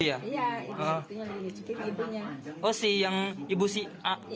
iya ibu sepertinya lagi mencuci piring ibunya